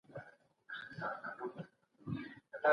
احمد شاه ابدالي څنګه د سولې ارزښت درک کړ؟